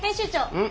うん？